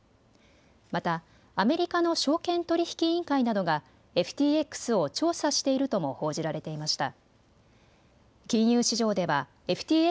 またアメリカの証券取引委員会などがＦＴＸを調査しているとも報じられていました。